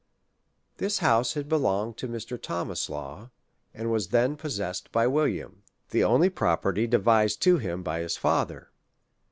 This house had belonged to Mr. Thomas Law, and was then possessed by William, the only property devised to him by his father.